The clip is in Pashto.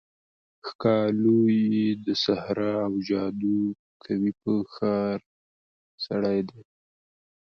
ښکالو یې سحراوجادوکوي په ښار، سړی دی